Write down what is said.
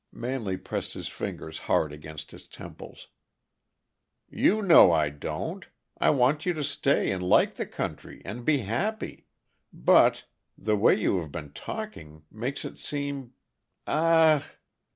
Manley pressed his fingers hard against his temples. "You know I don't. I want you to stay and like the country, and be happy. But the way you have been talking makes it seem a ah!"